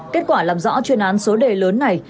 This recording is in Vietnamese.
kết quả làm rõ chuyên án số đề lớn này